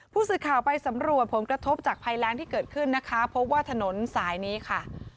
ผู้สื่อข่าวไปสำรวจผลกระทบจากภัยแรงที่เกิดขึ้นนะคะพบว่าถนนสายนี้ค่ะ